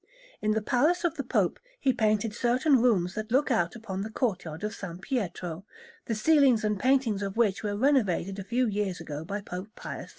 In the Palace of the Pope he painted certain rooms that look out upon the courtyard of S. Pietro, the ceilings and paintings of which were renovated a few years ago by Pope Pius IV.